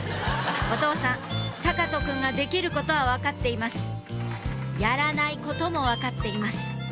お父さん隆翔くんができることは分かっていますやらないことも分かっています